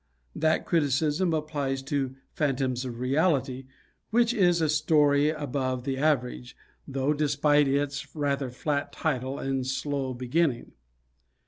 That criticism applies to "Phantoms of Reality," which is a story above the average, though, despite its rather flat title and slow beginning.